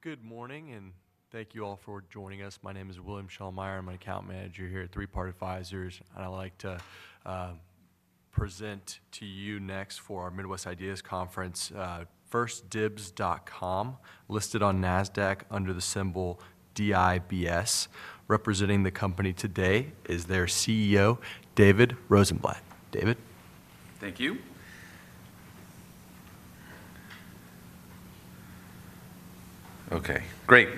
Good morning, and thank you all for joining us. My name is William Shelmire. I'm an Account Manager here at Three Part Advisors, and I'd like to present to you next for our Midwest IDEAS Conference: 1stdibs.com, listed on Nasdaq under the symbol DIBS. Representing the company today is their CEO, David Rosenblatt. David? Thank you. Okay, great.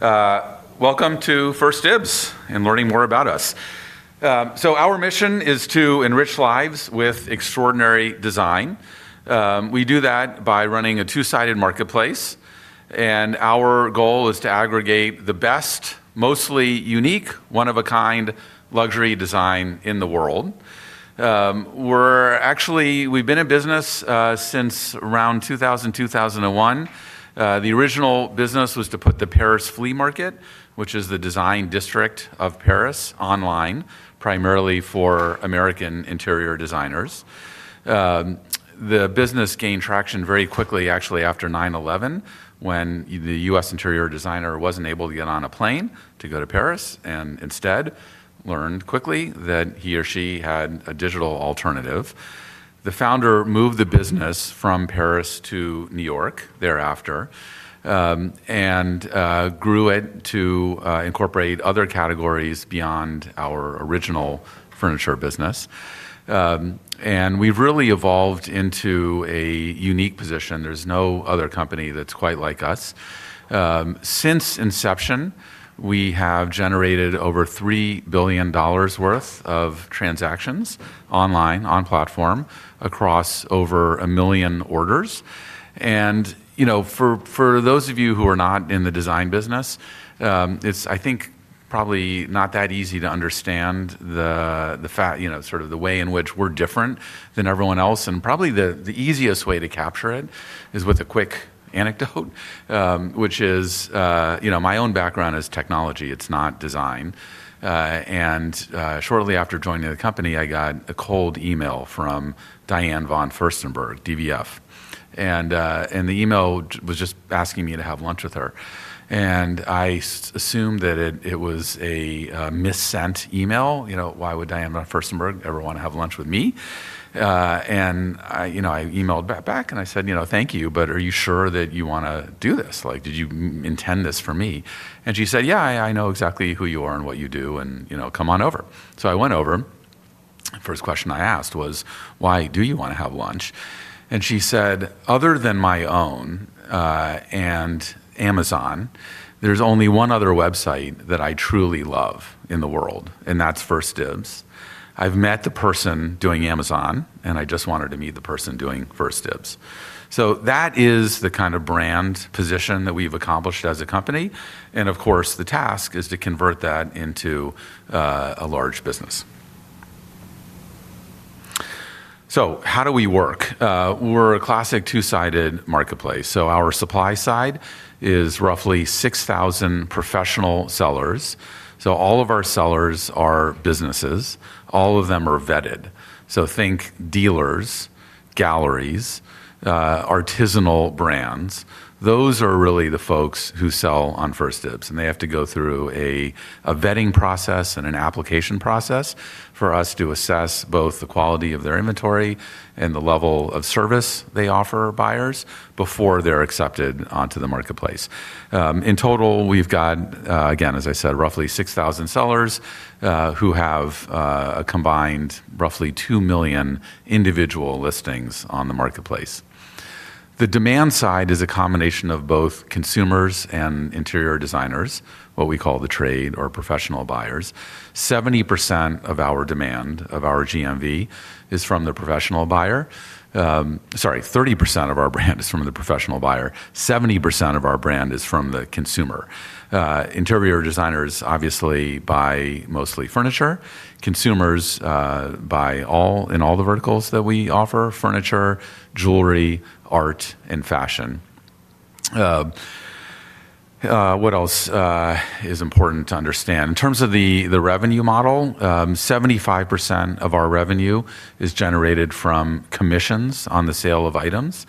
Welcome to 1stDibs and learning more about us. Our mission is to enrich lives with extraordinary design. We do that by running a two-sided marketplace, and our goal is to aggregate the best, mostly unique, one-of-a-kind luxury design in the world. We've been in business since around 2000, 2001. The original business was to put the Paris flea market, which is the design district of Paris, online, primarily for American interior designers. The business gained traction very quickly, actually, after 9/11, when the U.S. interior designer wasn't able to get on a plane to go to Paris and instead learned quickly that he or she had a digital alternative. The founder moved the business from Paris to New York thereafter and grew it to incorporate other categories beyond our original furniture business. We've really evolved into a unique position. There's no other company that's quite like us. Since inception, we have generated over $3 billion worth of transactions online, on platform, across over a million orders. For those of you who are not in the design business, it's probably not that easy to understand the way in which we're different than everyone else. Probably the easiest way to capture it is with a quick anecdote, which is, my own background is technology. It's not design. Shortly after joining the company, I got a cold email from Diane von Furstenberg, DVF, and the email was just asking me to have lunch with her. I assumed that it was a missent email. Why would Diane von Furstenberg ever want to have lunch with me? I emailed back and I said, thank you, but are you sure that you want to do this? Did you intend this for me? She said, "Yeah, I know exactly who you are and what you do, and you know, come on over." I went over. The first question I asked was, "Why do you want to have lunch?" She said, "Other than my own and Amazon, there's only one other website that I truly love in the world, and that's 1stdibs.com. I've met the person doing Amazon, and I just wanted to meet the person doing 1stDibs." That is the kind of brand position that we've accomplished as a company. The task is to convert that into a large business. How do we work? We're a classic two-sided marketplace. Our supply side is roughly 6,000 professional sellers. All of our sellers are businesses. All of them are vetted. Think dealers, galleries, artisanal brands. Those are really the folks who sell on 1stDibs, and they have to go through a vetting process and an application process for us to assess both the quality of their inventory and the level of service they offer buyers before they're accepted onto the marketplace. In total, we've got, again, as I said, roughly 6,000 sellers who have a combined roughly 2 million individual listings on the marketplace. The demand side is a combination of both consumers and interior designers, what we call the trade or professional buyers. 70% of our demand, of our GMV, is from the professional buyer. Sorry, 30% of our brand is from the professional buyer. 70% of our brand is from the consumer. Interior designers obviously buy mostly furniture. Consumers buy in all the verticals that we offer: furniture, jewelry, art, and fashion. What else is important to understand? In terms of the revenue model, 75% of our revenue is generated from commissions on the sale of items,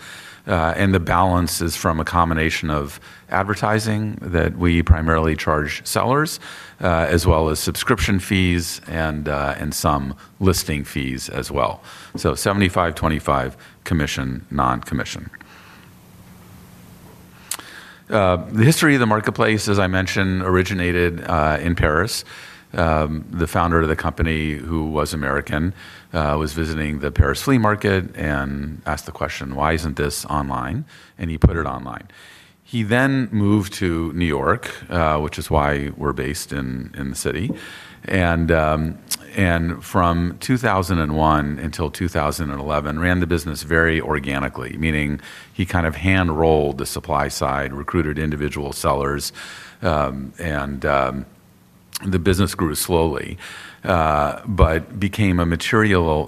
and the balance is from a combination of advertising that we primarily charge sellers, as well as subscription fees and some listing fees as well. 75/25 commission, non-commission. The history of the marketplace, as I mentioned, originated in Paris. The founder of the company, who was American, was visiting the Paris flea market and asked the question, "Why isn't this online?" He put it online. He then moved to New York, which is why we're based in the city. From 2001 until 2011, he ran the business very organically, meaning he kind of hand-rolled the supply side, recruited individual sellers, and the business grew slowly but became a material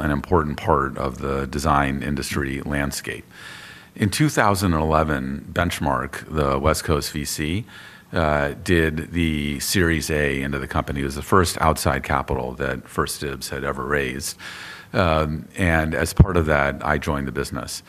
and important part of the design industry landscape. In 2011, Benchmark, the West Coast VC, did the Series A into the company. It was the first outside capital that 1stDibs had ever raised. As part of that, I joined the business.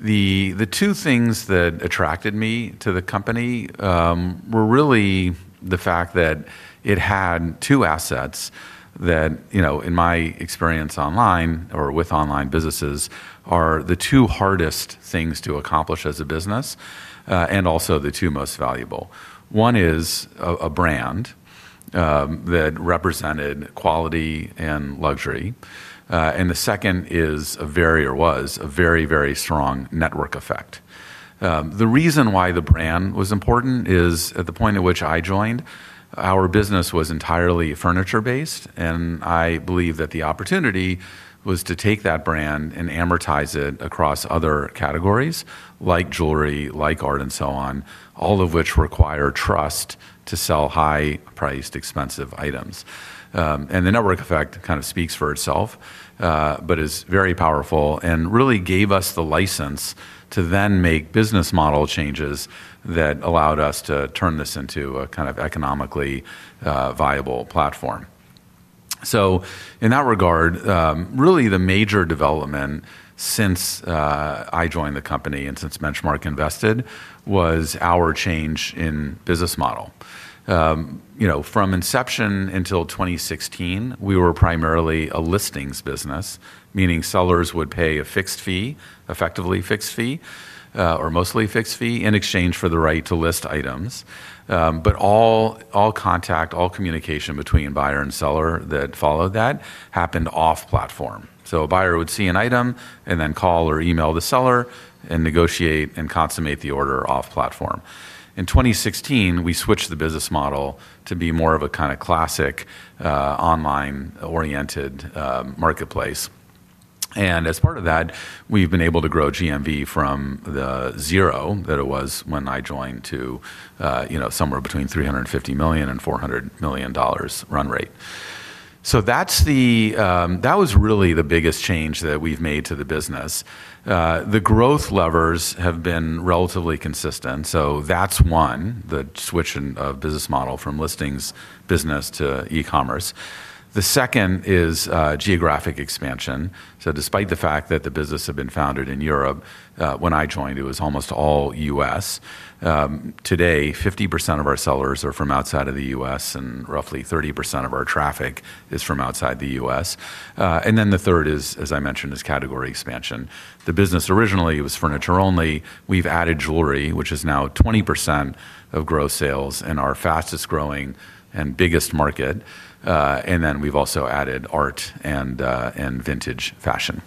The two things that attracted me to the company were really the fact that it had two assets that, in my experience online or with online businesses, are the two hardest things to accomplish as a business and also the two most valuable. One is a brand that represented quality and luxury, and the second is a very, or was a very, very strong network effect. The reason why the brand was important is at the point at which I joined, our business was entirely furniture-based, and I believe that the opportunity was to take that brand and amortize it across other categories like jewelry, like art, and so on, all of which require trust to sell high-priced, expensive items. The network effect kind of speaks for itself but is very powerful and really gave us the license to then make business model changes that allowed us to turn this into a kind of economically viable platform. In that regard, really the major development since I joined the company and since Benchmark invested was our change in business model. You know, from inception until 2016, we were primarily a listings business, meaning sellers would pay a fixed fee, effectively fixed fee or mostly fixed fee, in exchange for the right to list items. All contact, all communication between buyer and seller that followed that happened off platform. A buyer would see an item and then call or email the seller and negotiate and consummate the order off platform. In 2016, we switched the business model to be more of a kind of classic online-oriented marketplace. As part of that, we've been able to grow GMV from the zero that it was when I joined to, you know, somewhere between $350 million and $400 million run rate. That was really the biggest change that we've made to the business. The growth levers have been relatively consistent. That's one, the switch in business model from listings business to e-commerce. The second is geographic expansion. Despite the fact that the business had been founded in Europe, when I joined, it was almost all U.S. Today, 50% of our sellers are from outside of the U.S., and roughly 30% of our traffic is from outside the U.S. The third is, as I mentioned, is category expansion. The business originally was furniture only. We've added jewelry, which is now 20% of gross sales and our fastest growing and biggest market. We've also added art and vintage fashion.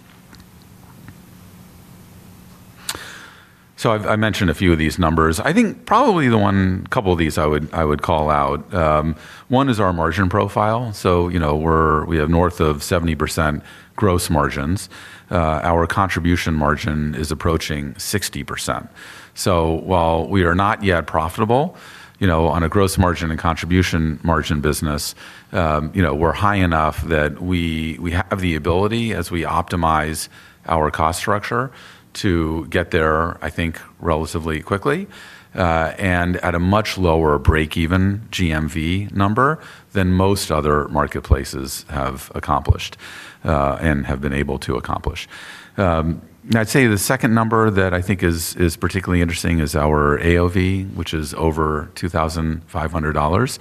I mentioned a few of these numbers. I think probably the one couple of these I would call out. One is our margin profile. We're north of 70% gross margins. Our contribution margin is approaching 60%. While we are not yet profitable, on a gross margin and contribution margin business, we're high enough that we have the ability, as we optimize our cost structure, to get there, I think, relatively quickly and at a much lower break-even GMV number than most other marketplaces have accomplished and have been able to accomplish. The second number that I think is particularly interesting is our AOV, which is over $2,500.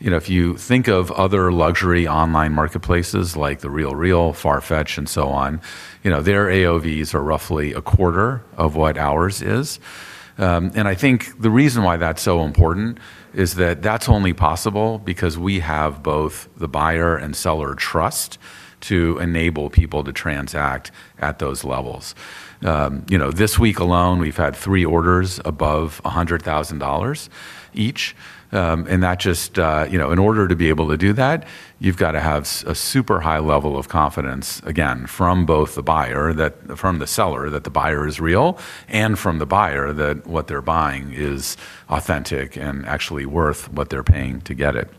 If you think of other luxury online marketplaces like The RealReal, FARFETCH, and so on, their AOVs are roughly a quarter of what ours is. I think the reason why that's so important is that that's only possible because we have both the buyer and seller trust to enable people to transact at those levels. This week alone, we've had three orders above $100,000 each. In order to be able to do that, you've got to have a super high level of confidence, again, from both the buyer, from the seller that the buyer is real, and from the buyer that what they're buying is authentic and actually worth what they're paying to get it.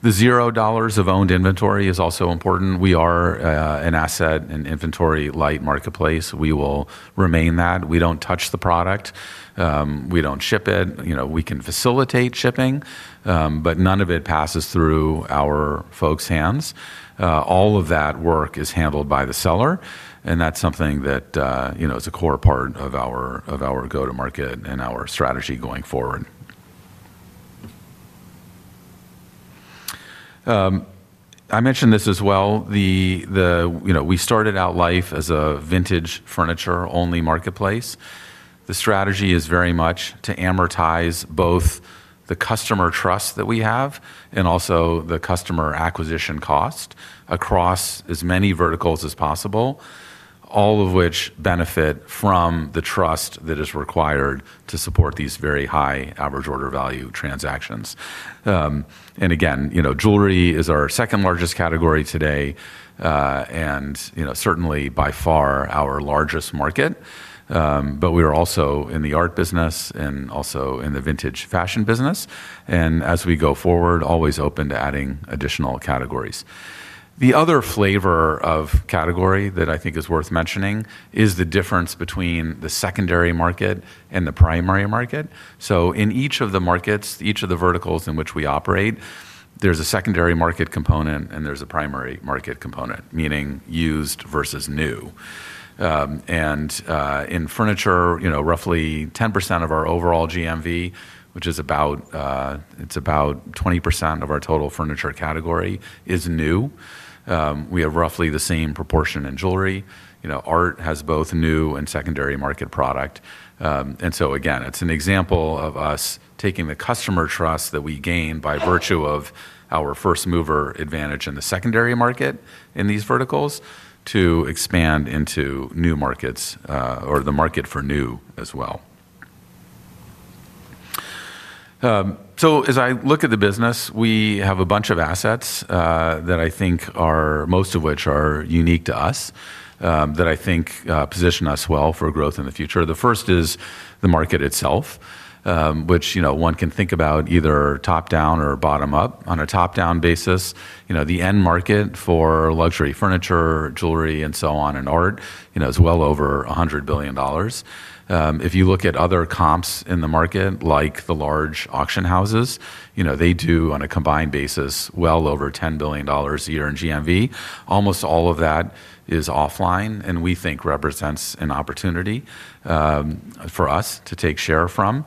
The $0 of owned inventory is also important. We are an asset and inventory light marketplace. We will remain that. We don't touch the product. We don't ship it. We can facilitate shipping, but none of it passes through our folks' hands. All of that work is handled by the seller, and that's something that is a core part of our go-to-market and our strategy going forward. I mentioned this as well. We started out life as a vintage furniture-only marketplace. The strategy is very much to amortize both the customer trust that we have and also the customer acquisition cost across as many verticals as possible, all of which benefit from the trust that is required to support these very high average order value transactions. Jewelry is our second largest category today and certainly by far our largest market. We are also in the art business and also in the vintage fashion business. As we go forward, always open to adding additional categories. The other flavor of category that I think is worth mentioning is the difference between the secondary market and the primary market. In each of the markets, each of the verticals in which we operate, there's a secondary market component and there's a primary market component, meaning used versus new. In furniture, roughly 10% of our overall GMV, which is about 20% of our total furniture category, is new. We have roughly the same proportion in jewelry. Art has both new and secondary market product. It's an example of us taking the customer trust that we gain by virtue of our first mover advantage in the secondary market in these verticals to expand into new markets or the market for new as well. As I look at the business, we have a bunch of assets, most of which are unique to us, that I think position us well for growth in the future. The first is the market itself, which one can think about either top-down or bottom-up. On a top-down basis, the end market for luxury furniture, jewelry, and art is well over $100 billion. If you look at other comps in the market, like the large auction houses, they do on a combined basis well over $10 billion a year in GMV. Almost all of that is offline, and we think represents an opportunity for us to take share from.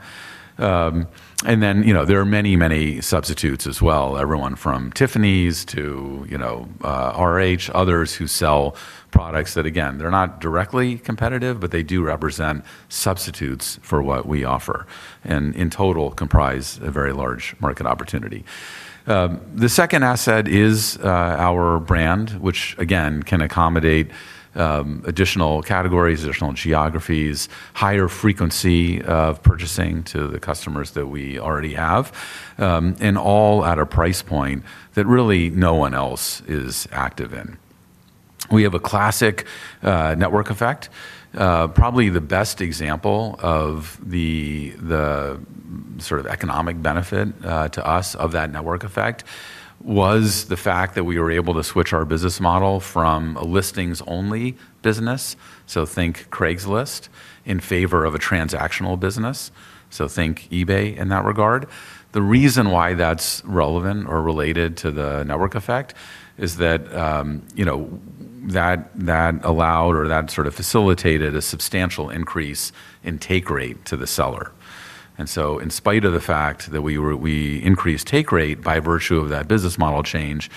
There are many substitutes as well, everyone from Tiffany's to RH, others who sell products that are not directly competitive, but they do represent substitutes for what we offer and in total comprise a very large market opportunity. The second asset is our brand, which can accommodate additional categories, additional geographies, higher frequency of purchasing to the customers that we already have, and all at a price point that really no one else is active in. We have a classic network effect. Probably the best example of the sort of economic benefit to us of that network effect was the fact that we were able to switch our business model from a listings-only business, so think Craigslist, in favor of a transactional business, so think eBay in that regard. The reason why that's relevant or related to the network effect is that allowed or facilitated a substantial increase in take rate to the seller. In spite of the fact that we increased take rate by virtue of that business model change,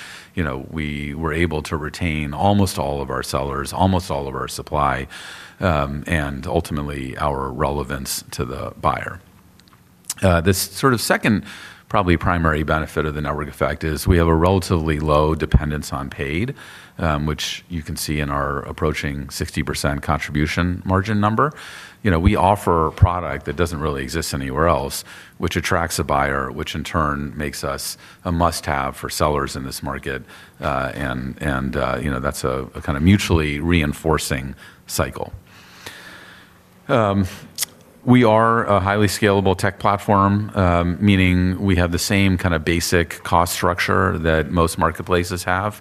we were able to retain almost all of our sellers, almost all of our supply, and ultimately our relevance to the buyer. The second primary benefit of the network effect is we have a relatively low dependence on paid, which you can see in our approaching 60% contribution margin number. We offer a product that doesn't really exist anywhere else, which attracts a buyer, which in turn makes us a must-have for sellers in this market. That's a kind of mutually reinforcing cycle. We are a highly scalable tech platform, meaning we have the same kind of basic cost structure that most marketplaces have.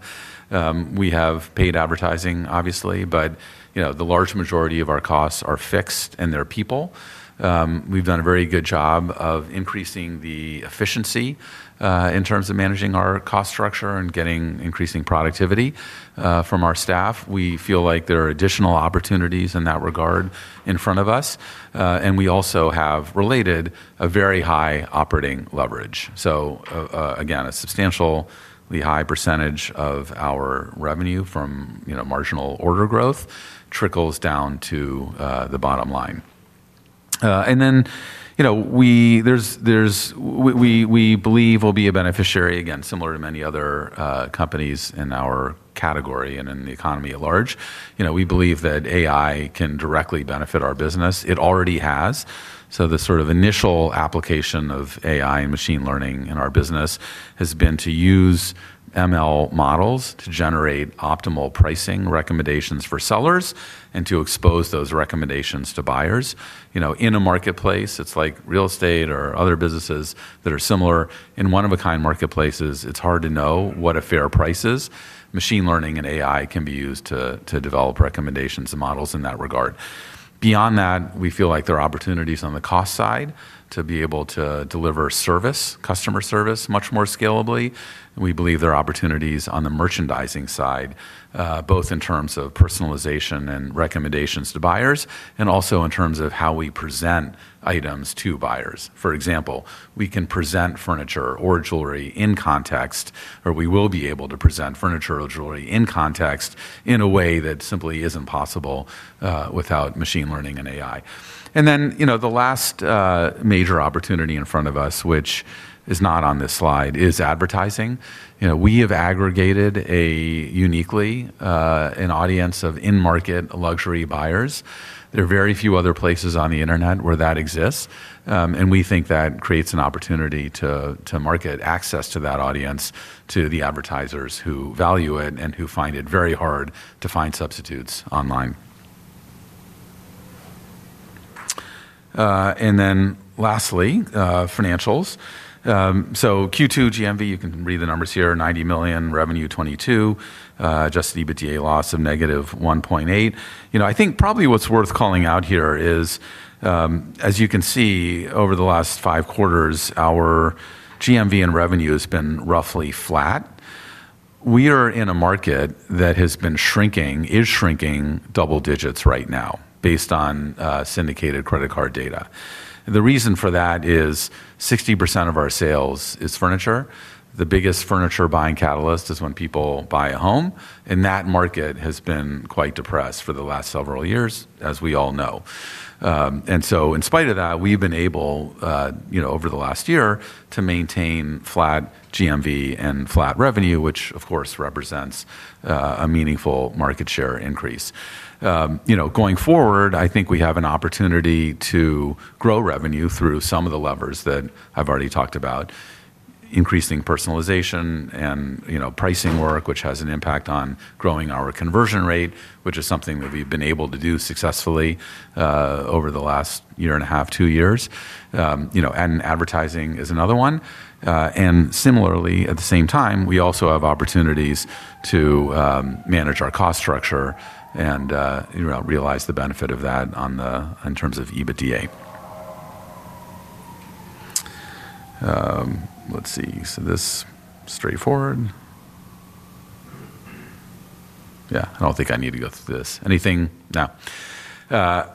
We have paid advertising, obviously, but the large majority of our costs are fixed and they're people. We've done a very good job of increasing the efficiency in terms of managing our cost structure and getting increasing productivity from our staff. We feel like there are additional opportunities in that regard in front of us. We also have related a very high operating leverage. A substantially high percentage of our revenue from marginal order growth trickles down to the bottom line. We believe we'll be a beneficiary, again, similar to many other companies in our category and in the economy at large. We believe that AI can directly benefit our business. It already has. The sort of initial application of AI and machine learning in our business has been to use machine learning models to generate optimal pricing recommendations for sellers and to expose those recommendations to buyers. In a marketplace, it's like real estate or other businesses that are similar in one-of-a-kind marketplaces. It's hard to know what a fair price is. Machine learning and AI can be used to develop recommendations and models in that regard. Beyond that, we feel like there are opportunities on the cost side to be able to deliver customer service much more scalably. We believe there are opportunities on the merchandising side, both in terms of personalization and recommendations to buyers and also in terms of how we present items to buyers. For example, we can present furniture or jewelry in context, or we will be able to present furniture or jewelry in context in a way that simply isn't possible without machine learning and AI. The last major opportunity in front of us, which is not on this slide, is advertising. We have aggregated uniquely an audience of in-market luxury buyers. There are very few other places on the internet where that exists, and we think that creates an opportunity to market access to that audience to the advertisers who value it and who find it very hard to find substitutes online. Lastly, financials. Q2 GMV, you can read the numbers here, $90 million revenue, $22 million, just EBITDA loss of -$1.8 million. I think probably what's worth calling out here is, as you can see, over the last five quarters, our GMV and revenue has been roughly flat. We are in a market that has been shrinking, is shrinking double digits right now based on syndicated credit card data. The reason for that is 60% of our sales is furniture. The biggest furniture buying catalyst is when people buy a home, and that market has been quite depressed for the last several years, as we all know. In spite of that, we've been able, over the last year, to maintain flat GMV and flat revenue, which of course represents a meaningful market share increase. Going forward, I think we have an opportunity to grow revenue through some of the levers that I've already talked about: increasing personalization and pricing work, which has an impact on growing our conversion rate, which is something that we've been able to do successfully over the last year and a half, two years. Advertising is another one. Similarly, at the same time, we also have opportunities to manage our cost structure and realize the benefit of that in terms of EBITDA. This is straightforward. I don't think I need to go through this. Anything? No. That's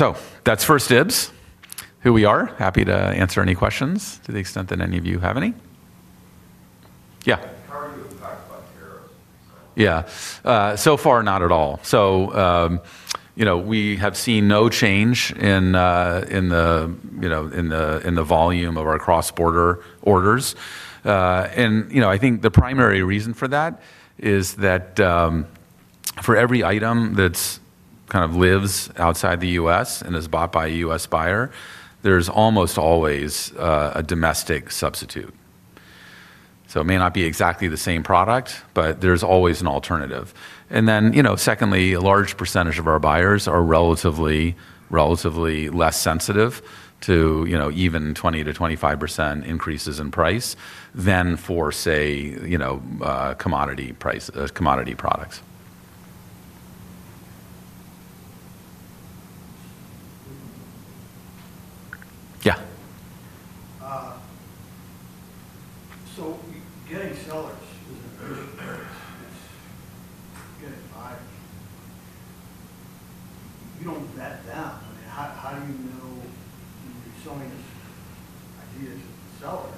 1stDibs, who we are. Happy to answer any questions to the extent that any of you have any. Yeah. So far, not at all. We have seen no change in the volume of our cross-border orders. I think the primary reason for that is that for every item that kind of lives outside the U.S. and is bought by a U.S. buyer, there's almost always a domestic substitute. It may not be exactly the same product, but there's always an alternative. Secondly, a large percentage of our buyers are relatively less sensitive to even 20%-25% increases in price than for, say, commodity products. Yeah. you don't vet them. How do we know in selling this idea to the seller?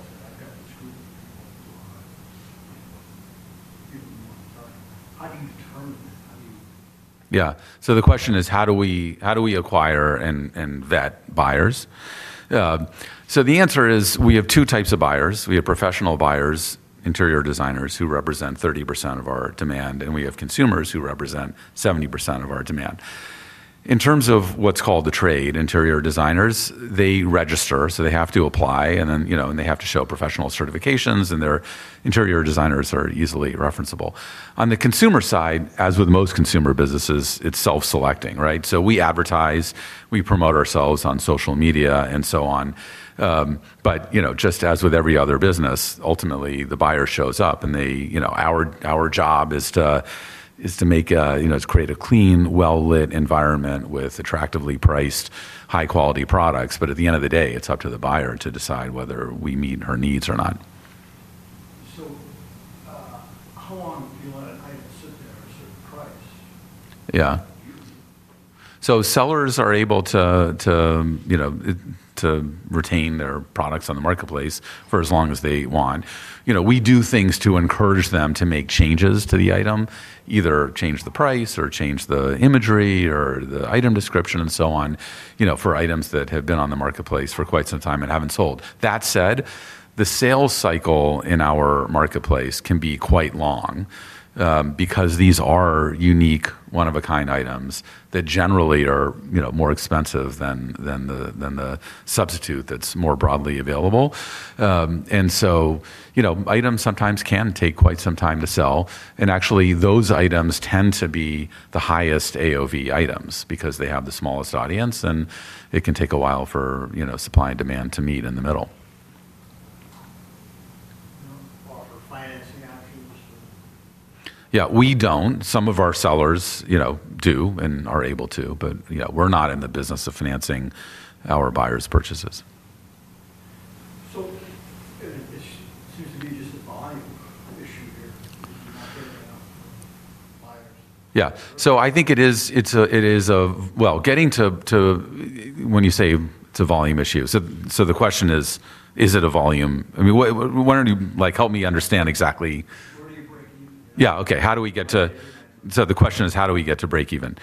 I mean, screw it. Yeah. The question is, how do we acquire and vet buyers? The answer is we have two types of buyers. We have professional buyers, interior designers, who represent 30% of our demand, and we have consumers who represent 70% of our demand. In terms of what's called the trade interior designers, they register, so they have to apply, and then they have to show professional certifications, and their interior designers are easily referenceable. On the consumer side, as with most consumer businesses, it's self-selecting, right? We advertise, we promote ourselves on social media and so on. Just as with every other business, ultimately the buyer shows up and our job is to create a clean, well-lit environment with attractively priced, high-quality products. At the end of the day, it's up to the buyer to decide whether we meet her needs or not. How long do you want to either sit there or sit price? Yeah. Sellers are able to retain their products on the marketplace for as long as they want. We do things to encourage them to make changes to the item, either change the price or change the imagery or the item description and so on, for items that have been on the marketplace for quite some time and haven't sold. That said, the sales cycle in our marketplace can be quite long because these are unique one-of-a-kind items that generally are more expensive than the substitute that's more broadly available. Items sometimes can take quite some time to sell. Actually, those items tend to be the highest AOV items because they have the smallest audience and it can take a while for supply and demand to meet in the middle. We don't. Some of our sellers do and are able to, but we're not in the business of financing our buyers' purchases. Seems to be just a volume issue. Yeah. I think it is, getting to, when you say to volume issues. The question is, is it a volume? I mean, why don't you help me understand exactly? Okay. How do we get to, the question is, how do we get to break even?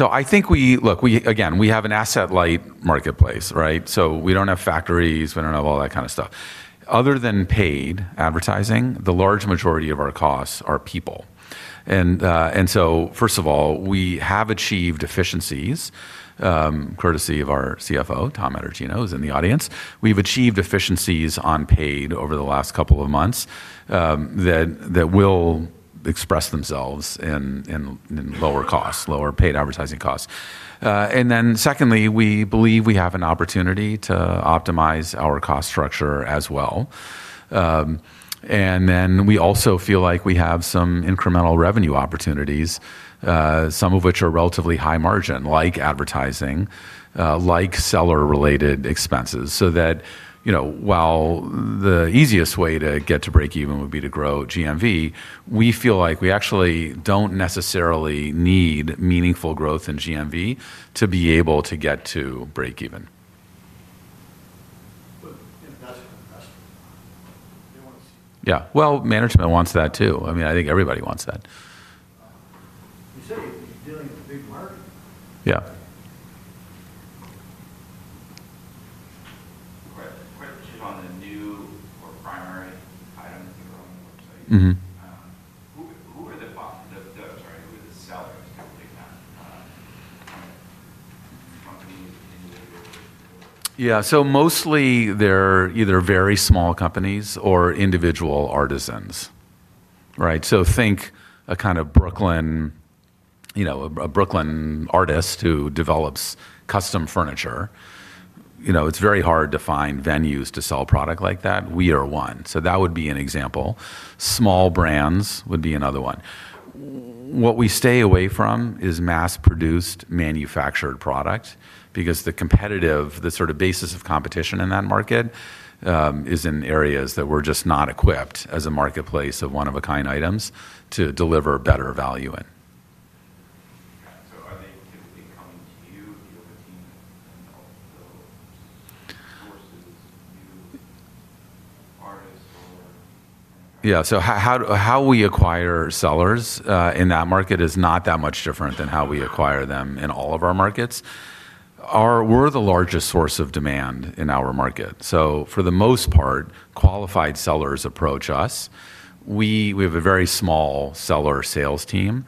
I think we, look, we have an asset-light marketplace, right? We don't have factories, we don't have all that kind of stuff. Other than paid advertising, the large majority of our costs are people. First of all, we have achieved efficiencies, courtesy of our CFO, Tom Etergino, who's in the audience. We've achieved efficiencies on paid over the last couple of months that will express themselves in lower costs, lower paid advertising costs. We believe we have an opportunity to optimize our cost structure as well. We also feel like we have some incremental revenue opportunities, some of which are relatively high margin, like advertising, like seller-related expenses. The easiest way to get to break even would be to grow GMV. We feel like we actually don't necessarily need meaningful growth in GMV to be able to get to break even. Management wants that too. I think everybody wants that. Yeah. Yeah, so mostly they're either very small companies or individual artisans, right? Think a kind of Brooklyn, you know, a Brooklyn artist who develops custom furniture. It's very hard to find venues to sell product like that. We are one. That would be an example. Small brands would be another one. What we stay away from is mass-produced manufactured products because the sort of basis of competition in that market is in areas that we're just not equipped as a marketplace of one-of-a-kind items to deliver better value in. How we acquire sellers in that market is not that much different than how we acquire them in all of our markets. We're the largest source of demand in our market. For the most part, qualified sellers approach us. We have a very small seller sales team.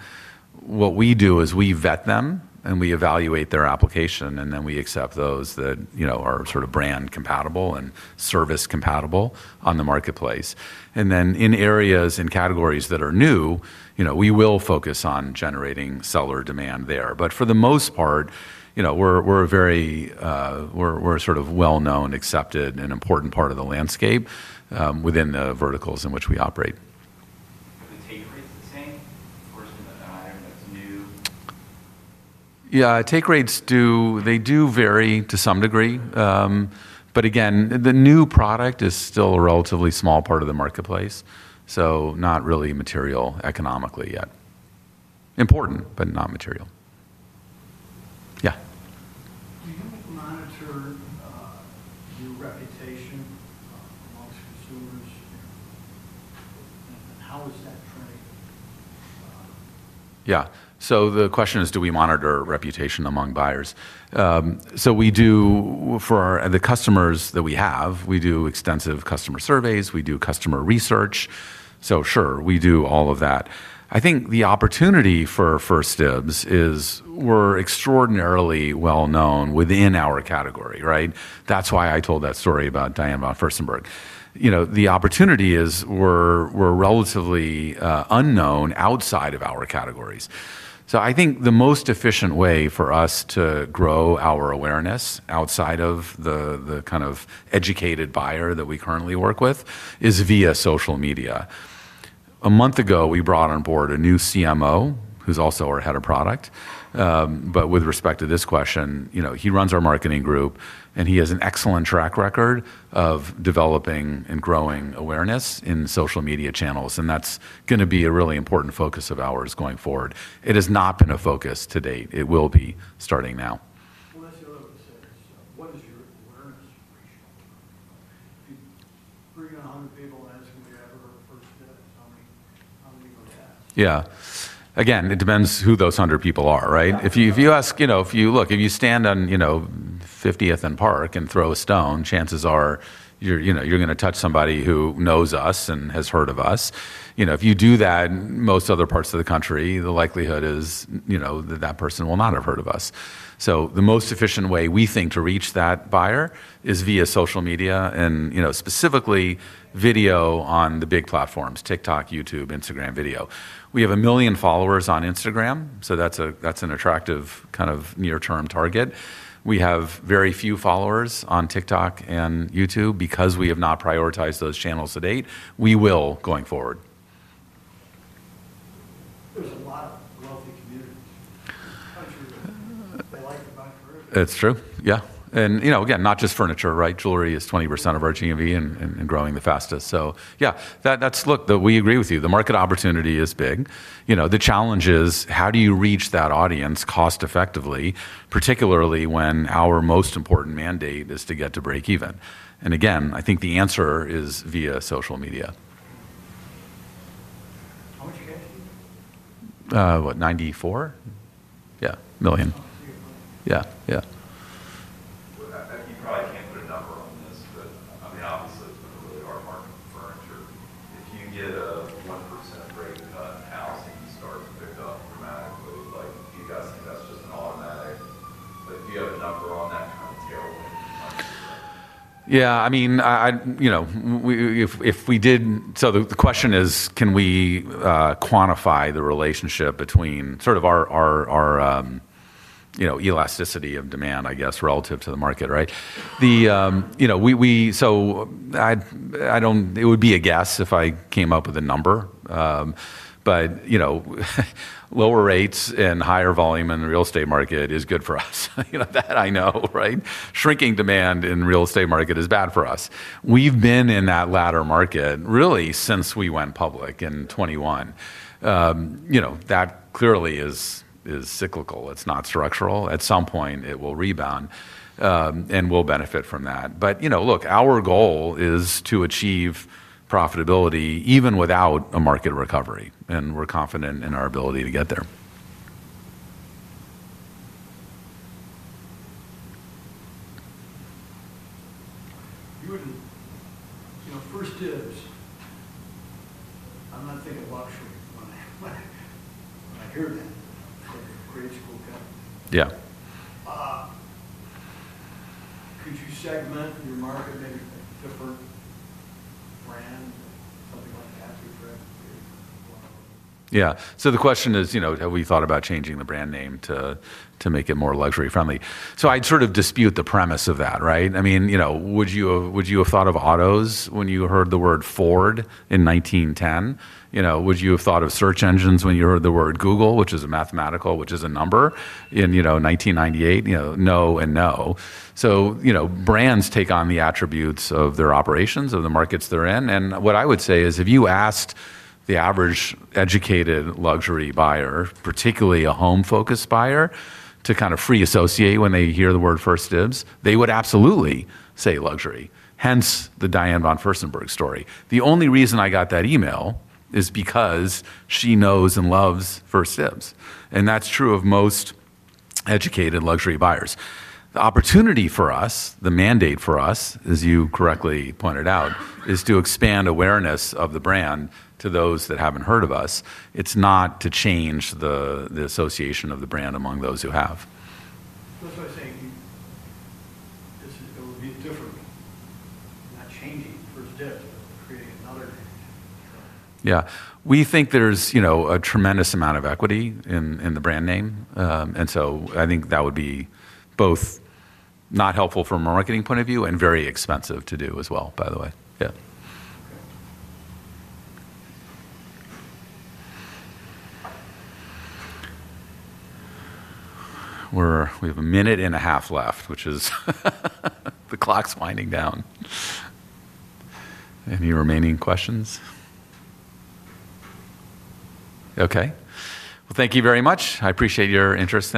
What we do is we vet them and we evaluate their application, and then we accept those that are sort of brand compatible and service compatible on the marketplace. In areas and categories that are new, we will focus on generating seller demand there. For the most part, we're a very, we're sort of well-known, accepted, and important part of the landscape within the verticals in which we operate. Take rate's the same? Portion of the item that's new? Yeah, take rates do vary to some degree. Again, the new product is still a relatively small part of the marketplace, so not really material economically yet. Important, but not material. Yeah. Do you monitor your reputation amongst consumers? How is that trained? Yeah, so the question is, do we monitor reputation among buyers? We do. For the customers that we have, we do extensive customer surveys. We do customer research. We do all of that. I think the opportunity for 1stdibs.com is we're extraordinarily well-known within our category, right? That's why I told that story about Diane von Furstenberg. The opportunity is we're relatively unknown outside of our categories. I think the most efficient way for us to grow our awareness outside of the kind of educated buyer that we currently work with is via social media. A month ago, we brought on board a new CMO who's also our Head of Product. With respect to this question, he runs our marketing group and he has an excellent track record of developing and growing awareness in social media channels. That's going to be a really important focus of ours going forward. It has not been a focus to date. It will be starting now. What is your awareness rate? Yeah, again, it depends who those hundred people are, right? If you ask, you know, if you look, if you stand on, you know, 50th and Park and throw a stone, chances are you're, you know, you're going to touch somebody who knows us and has heard of us. If you do that in most other parts of the country, the likelihood is, you know, that that person will not have heard of us. The most efficient way we think to reach that buyer is via social media and, you know, specifically video on the big platforms: TikTok, YouTube, Instagram video. We have a million followers on Instagram, so that's an attractive kind of near-term target. We have very few followers on TikTok and YouTube because we have not prioritized those channels to date. We will going forward. That's true. You know, again, not just furniture, right? Jewelry is 20% of our GMV and growing the fastest. Yeah, that's, look, we agree with you. The market opportunity is big. The challenge is how do you reach that audience cost-effectively, particularly when our most important mandate is to get to break even? Again, I think the answer is via social media. What, $94 million? Yeah, million. Yeah, yeah. I'm going to the opposite of the way our market for furniture. If you get a 1% rate on a house and you start to pick up dramatically, like you guys invest just automatically. Yeah, I mean, if we did, the question is, can we quantify the relationship between sort of our elasticity of demand, I guess, relative to the market, right? We, so I don't, it would be a guess if I came up with a number. Lower rates and higher volume in the real estate market is good for us. That I know, right? Shrinking demand in the real estate market is bad for us. We've been in that latter market really since we went public in 2021. That clearly is cyclical. It's not structural. At some point, it will rebound and we'll benefit from that. Our goal is to achieve profitability even without a market recovery, and we're confident in our ability to get there. You wouldn't, you know, 1stDibs, I'm not saying to watch from the corner, but I've heard that. I'm a great school guy. Yeah. Could you segment your market maybe a bit differently? Yeah, so the question is, you know, have we thought about changing the brand name to make it more luxury-friendly? I'd sort of dispute the premise of that, right? I mean, would you have thought of autos when you heard the word Ford in 1910? Would you have thought of search engines when you heard the word Google, which is a mathematical, which is a number? In 1998, no and no. Brands take on the attributes of their operations, of the markets they're in. What I would say is if you asked the average educated luxury buyer, particularly a home-focused buyer, to kind of free associate when they hear the word 1stdibs, they would absolutely say luxury. Hence the Diane von Furstenberg story. The only reason I got that email is because she knows and loves 1stDibs. That's true of most educated luxury buyers. The opportunity for us, the mandate for us, as you correctly pointed out, is to expand awareness of the brand to those that haven't heard of us. It's not to change the association of the brand among those who have. I was saying just to go deep differently, not changing 1stDibs, but creating another thing. Yeah, we think there's a tremendous amount of equity in the brand name. I think that would be both not helpful from a marketing point of view and very expensive to do as well, by the way. We have a minute and a half left, which is the clock's winding down. Any remaining questions? Thank you very much. I appreciate your interest.